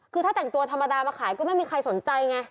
คือถ้าแต่งตัวธรรมดามาขายก็ไม่มีใครสนใจไง